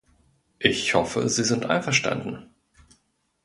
Ich hoffe, Sie sind einverstanden.